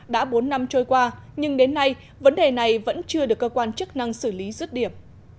đã bốn năm trôi qua nhưng đến nay vấn đề này vẫn chưa được cơ quan chức năng xử lý rứt điểm